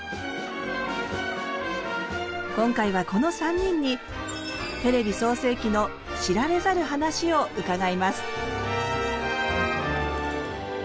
今回はこの３人にテレビ創成期の知られざる話を伺います。